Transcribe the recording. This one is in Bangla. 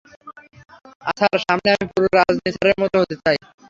আর স্যার, সামনে আমি পুরো রাজনি স্যারের মতো হতে চাই!